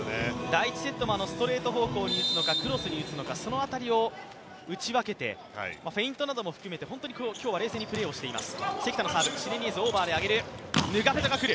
第１セットもストレート方向に打つのか、クロスに打つのかその辺りを打ち分けて、フェイントなども含めて本当に今日は冷静にプレーをしています。